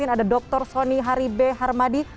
ada dr sony haribe harmadi